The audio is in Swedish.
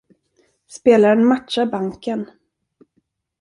Spelaren matchar banken.